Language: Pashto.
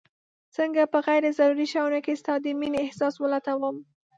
څنګه په غير ضروري شيانو کي ستا د مينې احساس ولټوم